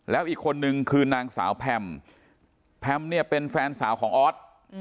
แล้วอีกคนนึงคือนางสาวแพมแพมเนี่ยเป็นแฟนสาวของออส